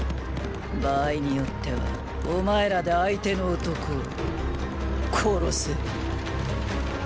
場合によってはお前らで相手の男を殺せ。